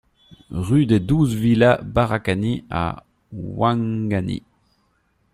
RUE DES douze VILLAS BARAKANI à Ouangani